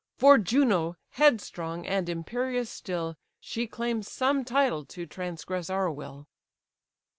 For Juno, headstrong and imperious still, She claims some title to transgress our will."